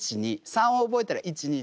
３を覚えたら１２３。